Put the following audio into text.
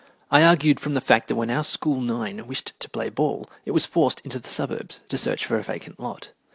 I argued from the fact that when our school nine wished to play ball it was forced into the suburbs to search for a vacant lot.